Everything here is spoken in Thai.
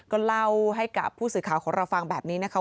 ก็เล่าให้กับผู้สื่อข่าวของเราฟังแบบนี้นะคะ